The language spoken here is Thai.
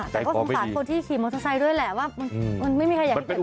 แต่ก็สงสารคนที่ขี่มอเตอร์ไซค์ด้วยแหละว่ามันไม่มีใครอยากให้เกิด